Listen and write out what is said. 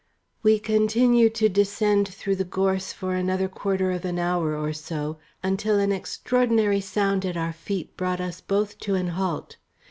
We continued to descend through the gorse for another quarter of an hour or so until an extraordinary sound at our feet brought us both to an halt.